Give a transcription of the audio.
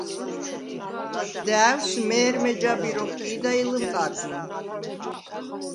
და̄̈ვს მე̄რმე ჯაბირ ოხკი̄და ი ლჷმკა̄რზვინ.